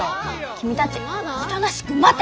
君たちおとなしく待て！